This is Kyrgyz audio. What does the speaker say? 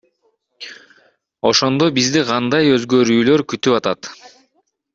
Ошондо бизди кандай өзгөрүүлөр күтүп атат?